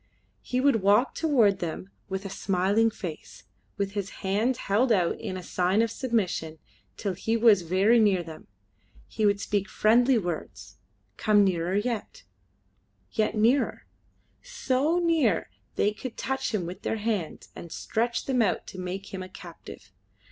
He would walk toward them with a smiling face, with his hands held out in a sign of submission till he was very near them. He would speak friendly words come nearer yet yet nearer so near that they could touch him with their hands and stretch them out to make him a captive.